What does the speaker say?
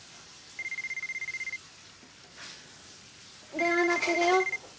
電話鳴ってるよ。